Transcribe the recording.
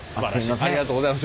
ありがとうございます。